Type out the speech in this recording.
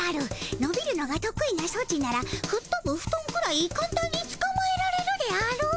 のびるのがとく意なソチならふっとぶフトンくらいかんたんにつかまえられるであろう。